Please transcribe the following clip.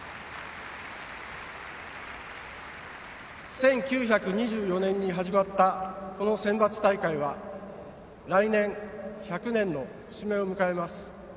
１９２４年に始まったこのセンバツ大会は来年、１００年の節目を迎えます。